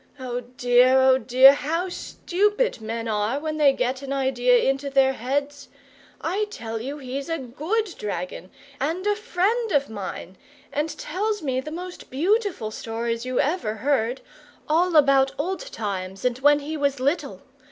"Oh dear, oh dear, how STUPID men are when they get an idea into their heads! I tell you he's a GOOD dragon, and a friend of mine, and tells me the most beautiful stories you ever heard, all about old times and when he was little.